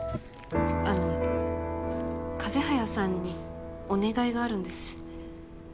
あの風早さんにお願いがあるんです。